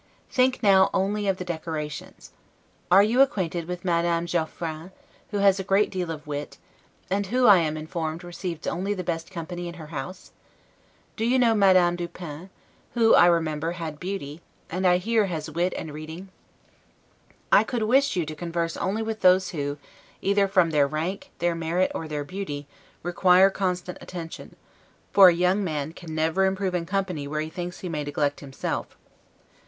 Think now only of the decorations. Are you acquainted with Madame Geoffrain, who has a great deal of wit; and who, I am informed, receives only the very best company in her house? Do you know Madame du Pin, who, I remember, had beauty, and I hear has wit and reading? I could wish you to converse only with those who, either from their rank, their merit, or their beauty, require constant attention; for a young man can never improve in company where he thinks he may neglect himself.